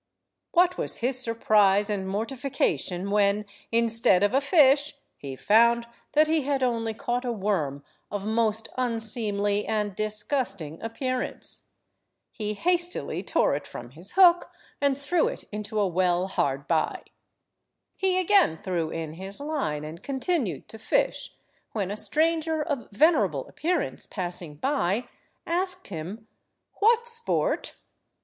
What was his surprise and mortification, when, instead of a fish, he found that he had only caught a worm of most unseemly and disgusting appearance. He hastily tore it from his hook and threw it into a well hard by. He again threw in his line, and continued to fish, when a stranger of venerable appearance, passing by, asked him— "What sport?"